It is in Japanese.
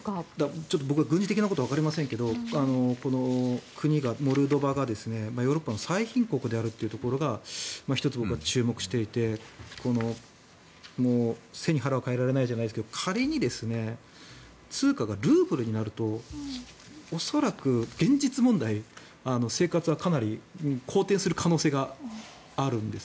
ちょっと僕は軍事的なことはわかりませんがモルドバがヨーロッパの最貧国であることが１つ、僕は注目していて背に腹は代えられないじゃないですが仮に通貨がルーブルになると恐らく、現実問題生活はかなり好転する可能性があるんです。